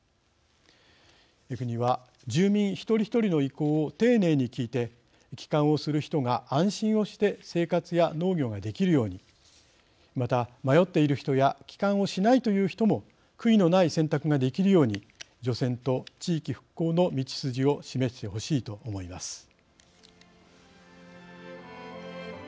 国は住民一人一人の意向を丁寧に聞いて帰還をする人が安心して生活や農業ができるようにまた迷っている人や帰還をしないという人も悔いのない選択ができるように除染と地域復興の道筋を示してほしいと思います。